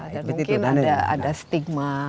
dan mungkin ada stigma